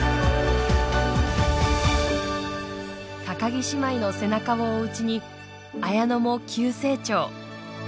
木姉妹の背中を追ううちに綾乃も急成長。